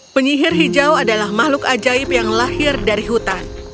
penyihir hijau adalah makhluk ajaib yang lahir dari hutan